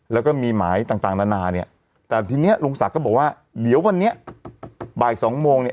แล้วก็มีหมายต่างต่างนานาเนี่ยแต่ทีนี้ลุงศักดิ์ก็บอกว่าเดี๋ยววันนี้บ่ายสองโมงเนี่ย